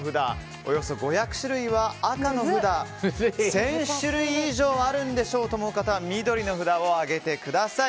およそ５００種類は赤の札１０００種類以上あるんでしょと思う方は緑の札を上げてください。